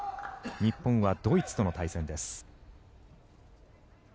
日本はドイツとの対戦です。